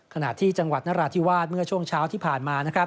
ขณะที่จังหวัดนราธิวาสเมื่อช่วงเช้าที่ผ่านมา